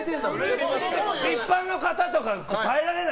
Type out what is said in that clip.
一般の方とか、耐えられない。